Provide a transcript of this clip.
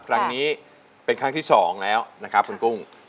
ครั้งนี้เป็นครั้งที่๒แล้วนะครับคุณกุ้ง